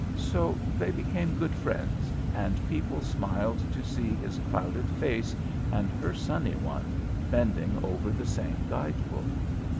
So they became good friends, and people smiled to see his clouded face and her sunny one bending over the same guide book.